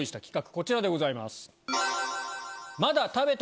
こちらでございます。